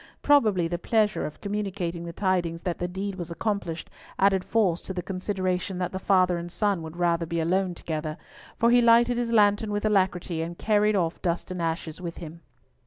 Probably the pleasure of communicating the tidings that the deed was accomplished added force to the consideration that the father and son would rather be alone together, for he lighted his lantern with alacrity, and carried off Dust and Ashes with him.